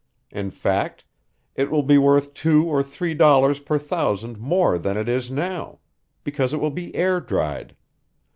In fact, it will be worth two or three dollars per thousand more then than it is now, because it will be air dried.